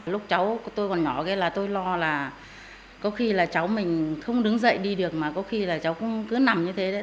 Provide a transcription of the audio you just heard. lúc cháu tôi còn nhỏ ấy là tôi lo là có khi là cháu mình không đứng dậy đi được mà có khi là cháu cũng cứ nằm như thế đấy